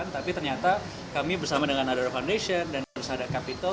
tapi ternyata kami bersama dengan adara foundation dan persada capital